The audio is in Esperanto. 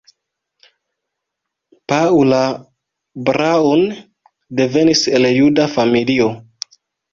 Paula Braun devenis el juda familio.